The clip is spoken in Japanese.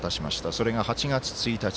それが８月１日。